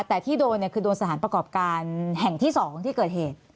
แต่ที่โดนดูนสถานประกอบการแห่งที่๒ที่เกิดเหตุ